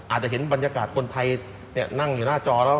อาจจะเห็นบรรยากาศคนไทยนั่งอยู่หน้าจอแล้ว